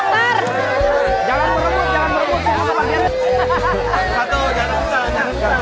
satu jangan berebut anak